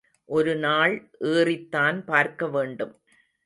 ஒருநாள் ஏறித்தான் பார்க்க வேண்டும்.